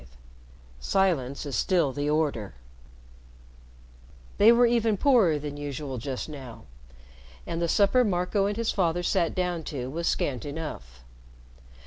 V "SILENCE IS STILL THE ORDER" They were even poorer than usual just now, and the supper Marco and his father sat down to was scant enough.